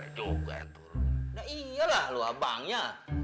iya lah loh abangnya